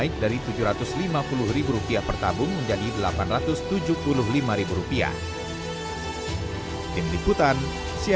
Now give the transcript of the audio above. bisa tapi naiknya terlalu tinggi